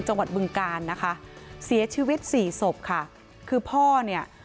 บึงการนะคะเสียชีวิตสี่ศพค่ะคือพ่อเนี่ย